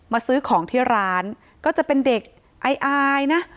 ซื้อของที่ร้านก็จะเป็นเด็กอายนะ